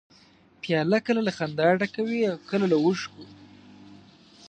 پیاله کله له خندا ډکه وي، کله له اوښکو.